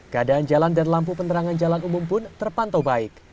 keadaan jalan dan lampu penerangan jalan umum pun terpantau baik